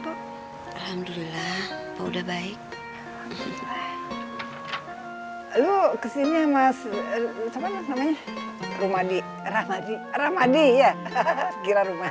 alhamdulillah udah baik lu ke sini mas namanya rumah di ramadi ramadi ya kira rumah